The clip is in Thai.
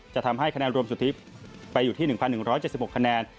จะทำให้คะแนนรวมสุธิพไปอยู่ที่๑๑๗๖คะแนน